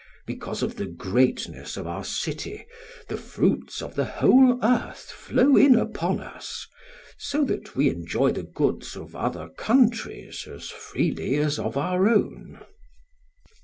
Because of the greatness of our city the fruits of the whole earth flow in upon us, so that we enjoy the goods of other countries as freely as of our own.